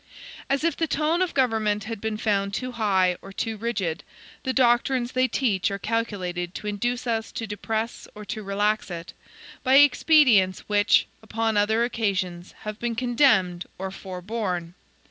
As if the tone of government had been found too high, or too rigid, the doctrines they teach are calculated to induce us to depress or to relax it, by expedients which, upon other occasions, have been condemned or forborne.